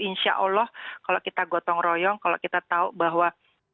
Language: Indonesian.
insya allah kalau kita gotong royong kalau kita tahu bahwa